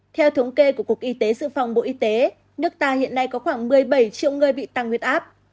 theo thống kê của cục y tế dự phòng bộ y tế nước ta hiện nay có khoảng một mươi bảy triệu người bị tăng huyết áp